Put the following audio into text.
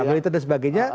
instabilitas dan sebagainya